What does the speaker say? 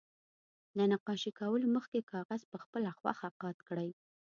له نقاشي کولو مخکې کاغذ په خپله خوښه قات کړئ.